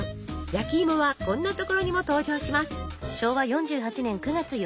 焼きいもはこんな所にも登場します。